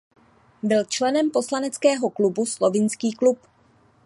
Byl členem poslaneckého klubu Slovinský klub.